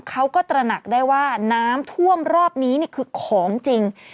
ตระหนักได้ว่าน้ำท่วมรอบนี้คือของจริง